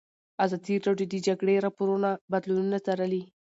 ازادي راډیو د د جګړې راپورونه بدلونونه څارلي.